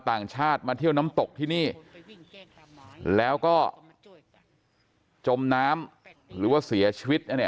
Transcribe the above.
ต่างชาติมาเที่ยวน้ำตกที่นี่แล้วก็จมน้ำหรือว่าเสียชีวิต